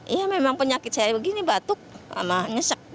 iya memang penyakit saya begini batuk sama ngesek